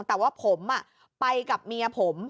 แต่ว่าผมไปกับเมียผม